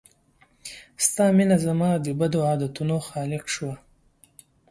ستا مينه زما د بدو عادتونو خالق شوه